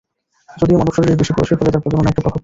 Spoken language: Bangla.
যদিও মানব শরীরের বেশি বয়সের ফলে তার প্রজননে একটা প্রভাব পরে।